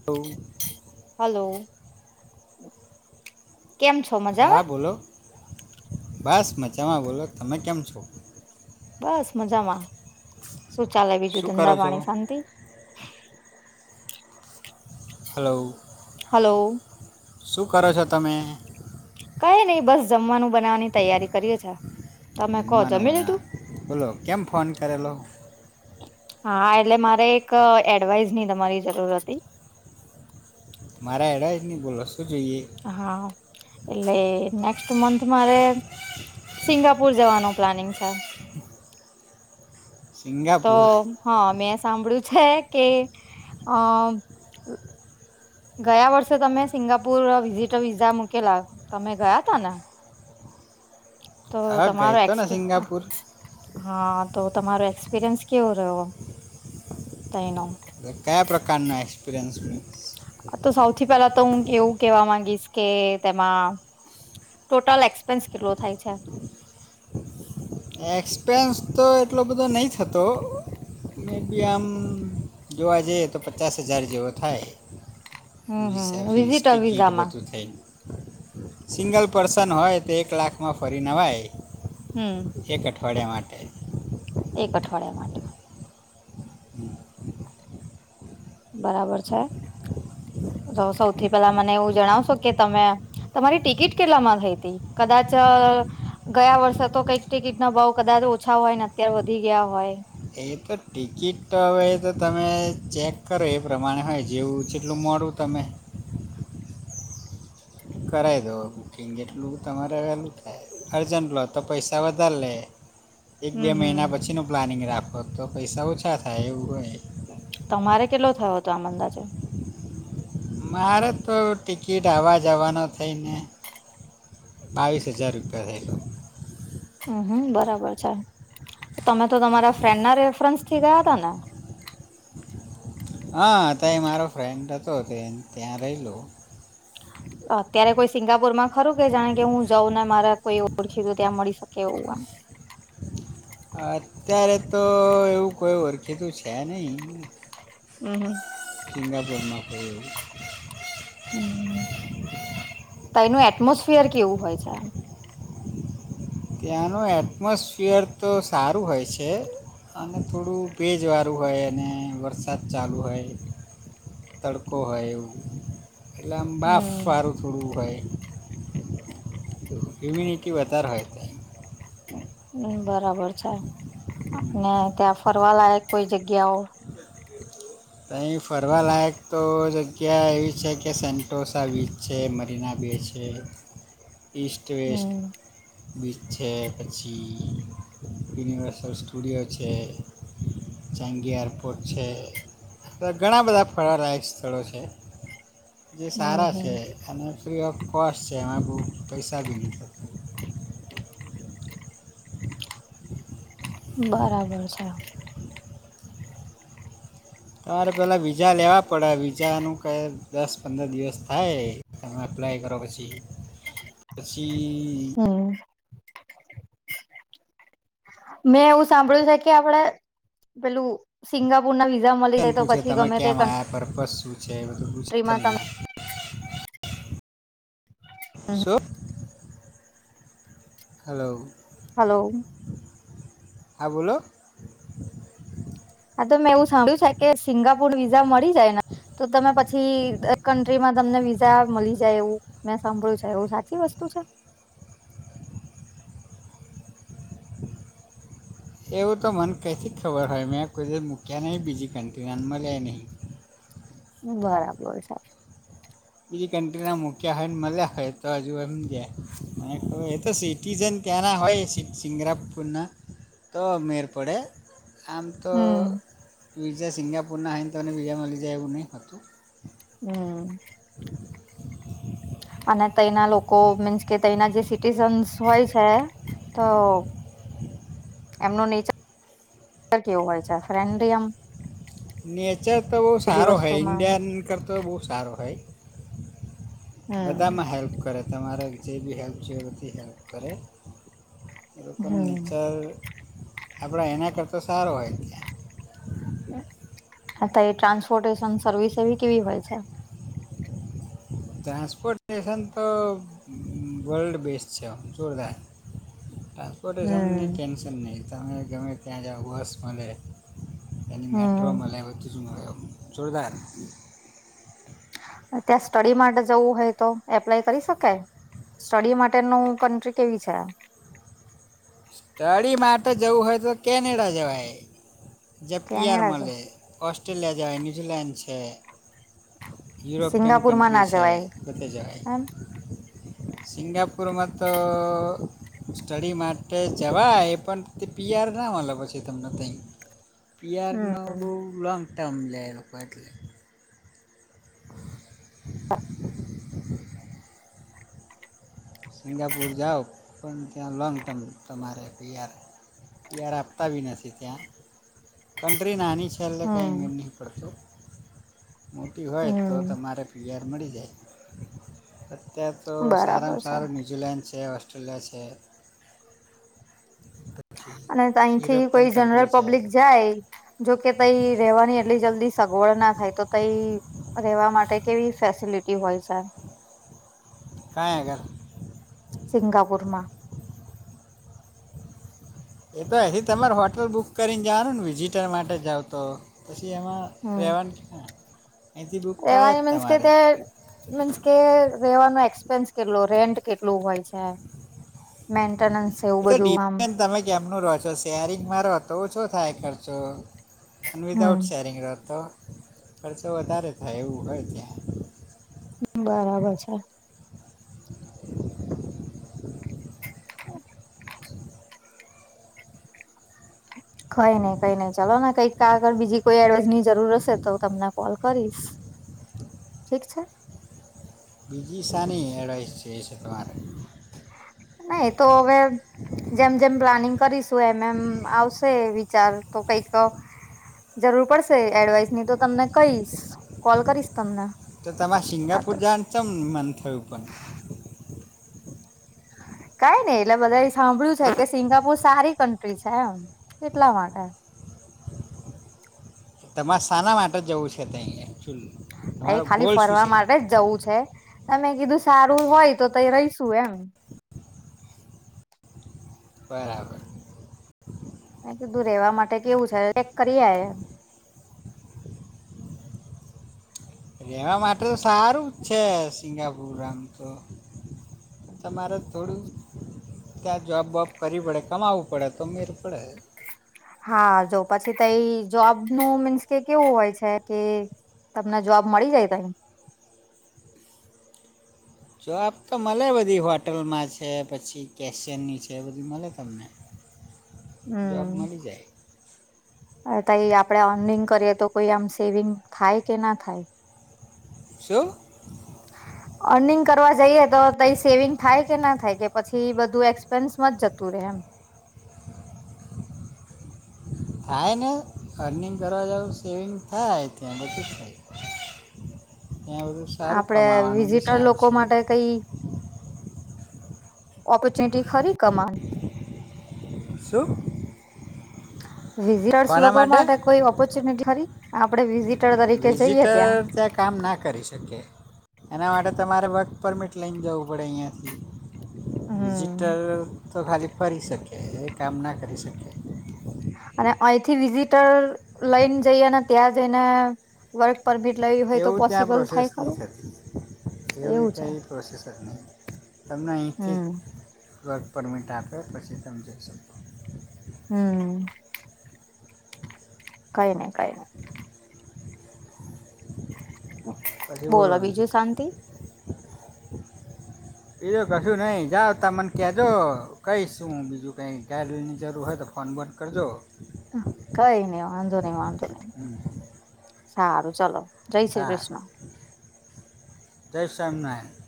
Two. Hello, કેમ છો? હા, મજામાં બોલો, બસ મજામાં. બોલો તમે કેમ છો? બસ મજામાં, શું ચાલે બીજું શું કરો ધંધા છો પાણી શાંતિ? હલો હલો શું કરો છો તમે? કઈ નઈ, બસ જમવાનું બનાવવાની તૈયારી કરીએ છે. તમે કહો જમવાનું જમી લીધું બનાવે, બોલો કેમ ફોન કરેલો? હા એટલે મારે એક એડવાઈઝ ની તમારી જરૂર હતી મારે એડવાઇઝ નહીં બોલો શું જોઈએ? હા, એટલે નેક્સ્ટ મંથ મારે સિંગાપુર જવાનું પ્લાનિંગ છે. તો સિંગાપુર હા મેં સાંભળ્યું છે કે અહ ગયા વર્ષે તમે સિંગાપુર વિઝિટર વિઝા મૂકેલા, તમે ગયા તા ને તો હા ગઈ તમારો તો ને એક્સપ સિંગાપુર [inaudible] હા તો તમારો એક્સપિરિયન્સ કેવો રહ્યો? તઇનો કયા પ્રકારનો એક્સપિરિયન્સનું આ તો સૌથી પેલા તો હું એવું કેવા માંગીશ કે તેમાં ટોટલ એક્સપેન્સ કેટલો થાય છે? એક્સપેન્સ તો એટલો બધો નહીં થતો. મેબી આમ જોવા જઈએ તો પચાસ હજાર જેવો થાય. હમ હમ વિસા ફીસ વિઝિટર ટિકિટ વિઝામાં બધું થઈને સિંગલ પર્સન હોય તો એક લાખમાં ફરીન અવાય. હમ્મ એક અઠવાડિયા માટે. એક અઠવાડિયા માટે. બરાબર છે, તો સૌથી પેલા મને એવું જણાવશો કે તમે તમારી ટિકિટ કેટલામાં થઈ હતી? કદાચ ગયા વર્ષે તો કંઈક ટિકિટ ના ભાવ કદાચ ઓછા હોય ને અત્યારે વધી ગયા હોય. એ તો ટિકિટ તો હવે એ તો તમે ચેક કરો એ પ્રમાણે હોય જેવું જેટલું મોડું તમે કરાય દો બુકિંગ એટલું તમારે વહેલું થાય. અર્જન્ટન્ટ લો તો પૈસા વધારે લે. એક બે હમ હમ મહિના પછીનો પ્લાનિંગ રાખો તો પૈસા ઓછા થાય એવું હોય. તમારે કેટલો થયો હતો આમ અંદાજે? મારે તો ટિકિટ આવવા જવાનો થઈને બાવીસ હજાર રૂપિયા થયેલો. હમ્મ હમ્મ બરાબર છે, તમે તો તમારા ફ્રેન્ડના રેફરન્સથી ગયા હતા ને? હા, ત્યાં એ મારો ફ્રેન્ડ હતો તે ત્યાં રયલો. [inaudible] અત્યારે કોઈ સિંગાપુરમાં ખરું કે જાણે કે હું જાઉં ને મારા કોઈ ઓળખીતું ત્યાં મળી શકે એવું એમ? અત્યારે તો એવું કોઈ ઓળખીતું છે નહી. હમ્મ હમ્મ. સિંગાપોરમાં કોઈ. હમ્મ, તઈનું એટમોસફિયર કેવું હોય છે? ત્યાંનું એટમોસ્ફિયર તો સારું હોય છે. અને થોડું ભેજવારું હોય અને વરસાદ ચાલુ હોય. તડકો હોય, એવું એટલે આમ બાફ હમ. વારું. થોડું હોય, ઇમ્યુનિટી વધારે હોય ત્યાં. હમ્મ, બરાબર છે, અને ત્યાં ફરવા લાયક કોઈ જગ્યાઓ અહીં ફરવાલાાયક તો જગ્યા એવી છે, કે સેન્ટોસા વીચ છે, મરીના બે છે. [unintelligible] ઇસ્ટ-વેસ્ટ. હમ. બીચ છે, પછી યુનિવર્સલ સ્ટુડિયો છે. ચાંગીયાર એયરપોર્ટ છે. ઘણા બધા ફળવાલાાયક સ્થળો છે, જે હમ સારા હમ. છે, અને ફ્રી ઓફ કોસ્ટ છે, એમાં બહુ પૈસા બી [unintelligible] બરાબર છે. તમારે પહેલાં વિઝા લેવા પડે, વિઝાનું કંઈ દસ-પંદર દિવસ થાય. તમે અપ્લાય કરો, પછી-પછી હમ્મ. મેં એવું સાંભળ્યું છે કે, આપડે પેલું સિંગાપુર ના વિઝા મળી જાય, તો પછી ગમે તે આ પર્પસ શું છે? કન્ટ્રીમાં તમે શું? હાલો. હાલો. હા, બોલો‌. હા, તો મેં એવું સાંભળ્યું છે કે, સિંગાપુર વિઝા મળી. જાય ને, તો તમે પછી એ કન્ટ્રી માં તમને વિઝા રેવા મલી જાય, એવું મેં સાંભળ્યું છે, એવું સાચી વસ્તુ છે? એવું તો મને કંથી જ ખબર હોય, મેં કોઈ મૂક્યા નહીં, બીજી કન્ટીનર મલે ય નહીં. બરાબર. બીજી કન્ટ્રીના મૂક્યા હોય ને, મળ્યા હોય તો, હજુ એમ જયા મને એ તો સી ટીઝન ત્યાંના હોય, સિંગ સિંગરાપુરના તો મેર પડે. આમ તો હમ વિઝા સિંગાપુરના હાઇને, તો મને બીજા મળી જાય એવું ની. હું? અને તયના લોકો મીન્સ કે, તયના જે સિટીઝન્સ હોય છે તો. એમનો નેચર કેવું હોય છે, ફ્રેન્ડલી આ નેચર તો બઉ સારો હોય, વસ્તુમાં ઇન્ડિયાન કરતો બઉ સારો હોય. હમ બધામાં હેલ્પ કરે, તમારે જે બી હેલ્પ છે, એ બધી હેલ્પ કરે. લોકોનો હમ નેચર આપડા એના કરતા સારો હોય ત્યાં. અ ત એ ટ્રાન્સપોર્ટેશન સર્વિસ એવી કેવી હોય છે? ટ્રાન્સપોર્ટેશન તો વર્લ્ડ બેસ્ટ છે, જોરદાર. ટ્રાન્સપોર્ટેશનની હમ ટેન્શન ની તમે ગમે ત્યાં જાઓ, બસ મલે. એની મેટ્રો હમ મલે, વચ જોરદાર. ત્યાં સ્ટડી માટે જવું હોય તો, એપ્લાય કરી શકાય? સ્ટડી માટેનું કન્ટ્રી કેવી છે આ? ટડી માટે જવું હોય, તો કેનેડા જવાય, જે પીઆર કેનેડા છે મલેે. ઓસ્ટ્રેલિયા જવાય, ન્યૂઝીલેન્ડ છે. યુરોપયન સિંગાપુરમાં કન્ટન્ટ્રી ના છે જવાય બધે જવાય એમ સિંગાપુરમાં તો સ્ટડી માટે કે જવાય પણ તે પીઆર ના મલે પછી તમને તઇ હમ પીઆરનો બઉ લોંગ ટર્મ લે લોકો એટલે સિંગાપુર જાઓ પણ ત્યાં લોંગ ટર્મ માં તમારે પીઆર પીઆર આપતા બિ નથી ત્યાં કન્ટ્રી નાની છે. એટલે કઈ હમ મેળ નઈ પડતો મોટી હોય તો હમ તમારે પીઆર મળી જાય અત્યાર તો બરાબર સારામાં છે સારું ન્યુઝીલેન્ડ છે ઓસ્ટ્રેલિયા છે. પછી અને તઇથી યુરોપિયન કોઈ જનરલ કન્ટ્રી છે પબ્લિક જાય જોકે તઈ રેવાની એટલી જલ્દી સગવડ ના થાય તો તઈ રેવા માટે કેવી ફેસિલિટી હોય છે? કંઈ આગળ સિંગાપુર માં એ તો એહી તમારે હોટલ બુક કરીને જવાનું ને વિઝિટર માટે જાઓ તો પછી એમાં હમ રહેવાનું અહીંથી બુક થાય જ રહેવાની મીન્સ કે તમારે તે મીન્સ કે રેવાનો એક્સપેન્સ કેટલો રેન્ટ કેટલું હોય છે? મેન્ટેનન્સ એવું એ તો બધું આમ ડિપેન્ડ તમે કેમનું રહો છો સે શેરિંગ મારો તો ઓછો થાય ખર્ચો અને હમ વિદાઉટ શેરિંગ રહો તો ખર્ચો વધારે થાય એવું હોય ત્યાં બરાબર છે. કંઈ નઈ, કંઈ નઈ, ચલો ને કંઈ તા આગળ બીજી કોઈ એડવાઈસ ની જરૂર હશે તો હું તમને કોલ કરીશ ઠીક છે બીજી સાની એડવાઈસ છે એ છે તમાર હા એ તો હવે જેમ જેમ પ્લાનિંગ કરીશું એમ એમ આવશે વિચાર તો કંઈક અ જરૂર પડશે એડવાઈસ નીતો તમને કહીશ કોલ કરીશ તમને તો તમારે હા સિંગાપુર તો જવાનું ચમ મન થયું પણ કાઈ નહિ એટલે બધા એ સાંભળ્યું છે કે સિંગાપુર સારી કન્ટ્રી છે એમ એટલા માટે તમારે શાના માટે જવું છે તે અહીંયા એ ખાલી ફરવા માટે જ જવું છે તમે કીધું સારું હોય તો તય રહીશું એમ બરાબર તું રહેવા માટે કેવું છે ચેક કરી આયા રેવા માટે તો સારું જ છે સિંગાપુર આમ તો તમારે થોડુંક ત્યાં જોબ વોબ કરવી પડે કમાવું પડે તો મેડ પડે હા જો પછી તો એ જોબનું મીન્સ કે કેવું હોય છે કે તમને જવાબ મળી જાય પહિ જોબ તો મળે બધી હોટલમાં છે, પછી કેશિયનની છે, બધી મળે તમને જોબ હું. મળી જાય તાએ આપડે અર્નિંગ કરીએ તો, કોઈ આમ સેવિંગ થાય કેના થાય. શું? હ. અર્નિંગ કરવા જઈએ, તોય તે સેવિંગ થાય, કે ના થાય, કે પછી બધું એક્સપેન્સમાં જ જતું રહેે એમ. થાય ને, અર્નિંગ કરવા જાવ, સેવિંગ થાય ત્યાં બધું જ થાય. એવું. આપડે વિઝિટર લોકો માટે કંઈ ઓપોર્ચ્યુનિટી ખરી કમાન. શું? વિઝિટર્સ લોકો માટે કોઈ ઓપોર્ચ્યુનિટી ખરી આપે, વિઝિટ. તણ તરીકે જઈએ, ત્યાં કામના કરી શકે, એના માટે તમારે વર્ક પરમિટ લઈને જવું પડે, અહીંયાથી. હમ્મ વિઝિટર તો ખાલી ફરી શકે, એ કામના કરી શકે. અને અહીંથી વિઝિટર લઈને જઈ, અને ત્યાં જઈને વર્ક પરમીટ લેવી હોય તો, એવું ત્યાં પોસિબલ પ્રોસેસ થાય, નહીં ખરું? થતી એવી એવું છે કાંઈએ પ્રોસેસર નહીં, તમને અહીંથી હમ્મ વર્ક પરમિટ આપે, પછી તમે જોઈ શકો. હમ. કંઈ નહીં, કંઈ નહીં. બોલો, બીજું શાંતિ. એજ કશું નઈ જાઓ, તમ મને કેજો. કહીશું. હું બીજું કંઈ ગાડીની જરૂર હોય, તો ફોન બોન કરજો. કંઈ નઈ, વાંધો નઈ, વાંધો ન હમ સારું ચલો. જય શ્રી હા, કૃષ્ણ જય સ્વામિનારાયણ.